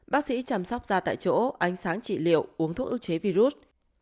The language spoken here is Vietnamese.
bác sĩ chăm sóc da tại chỗ ánh sáng trị liệu uống thuốc ước chế virus